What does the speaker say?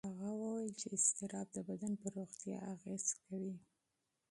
هغه وویل چې اضطراب د بدن پر روغتیا اغېز کوي.